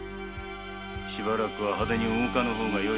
しばらくは派手に動かぬ方がよい。